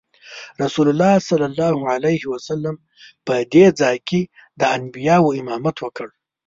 رسول الله صلی الله علیه وسلم په دې ځای کې د انبیاوو امامت وکړ.